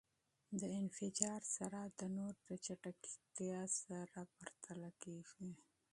د انفجار سرعت د نور د چټکتیا سره پرتله کېږی.